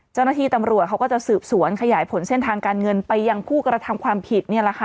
เจ้าหน้าที่ตำรวจเขาก็จะสืบสวนขยายผลเส้นทางการเงินไปยังผู้กระทำความผิดนี่แหละค่ะ